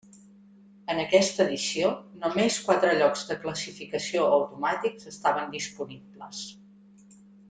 En aquesta edició només quatre llocs de classificació automàtics estaven disponibles.